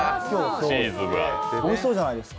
おいしそうじゃないですか。